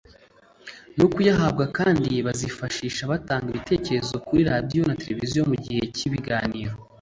no kuyahabwa kandi bazifashisha batanga ibitekerezo kuri radiyo na televiziyo mu gihe cy ibiganiro